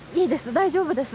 大丈夫です